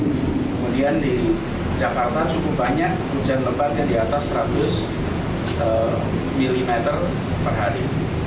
kemudian di jakarta cukup banyak hujan lebatnya di atas seratus mm per hari